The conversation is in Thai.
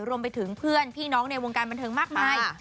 รวมไปถึงเพื่อนพี่น้องในวงการบันเทิงมากมาย